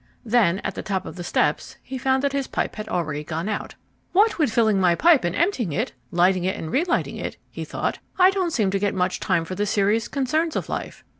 Then, at the top of the steps, he found that his pipe had already gone out. "What with filling my pipe and emptying it, lighting it and relighting it," he thought, "I don't seem to get much time for the serious concerns of life.